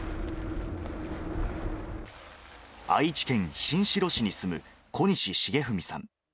愛知県新城市に住む小西重文さん。